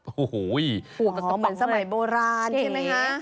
เหมือนสมัยโบราณใช่ไหมฮะ